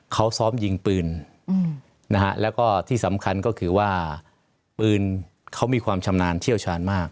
เขาซ้อมยิงปืนนะฮะแล้วก็ที่สำคัญก็คือว่าปืนเขามีความชำนาญเชี่ยวชาญมาก